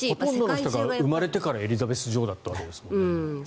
ほとんどの人が生まれてからエリザベス女王だったわけですもんね。